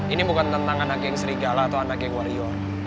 ini bukan tentang anak geng serigala atau anak yang warrior